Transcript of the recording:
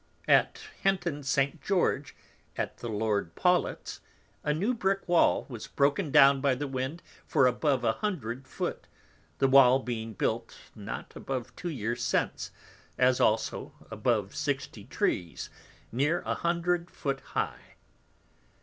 At Henton St. George, at the Lord Pawlet's, a new Brick Wall was broken down by the Wind for above 100 foot, the Wall being built not above 2 years since, as also above 60 Trees near 100 foot high.